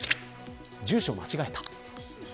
住所を間違えた。